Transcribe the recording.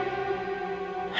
tidak tidak tidak